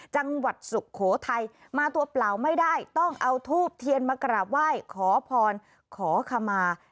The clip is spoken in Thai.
สุโขทัยมาตัวเปล่าไม่ได้ต้องเอาทูบเทียนมากราบไหว้ขอพรขอขมา